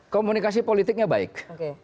komunikasi politiknya baik